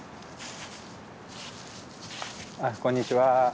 あこんにちは。